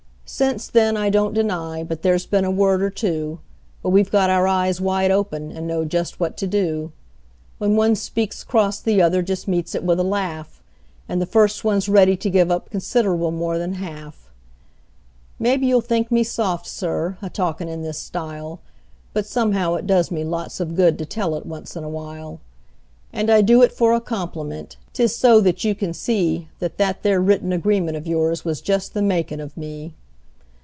Since then I don't deny but there's been a word or two; But we've got our eyes wide open, and know just what to do: When one speaks cross the other just meets it with a laugh, And the first one's ready to give up considerable more than half. Maybe you'll think me soft, Sir, a talkin' in this style, But somehow it does me lots of good to tell it once in a while; And I do it for a compliment 'tis so that you can see That that there written agreement of yours was just the makin' of me.